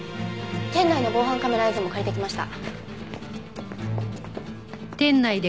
店内の防犯カメラ映像も借りてきました。